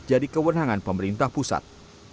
jadi kewenangan pemerintah pusat